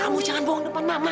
kamu jangan bawang depan mama